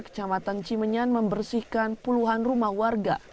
kecamatan cimenyan membersihkan puluhan rumah warga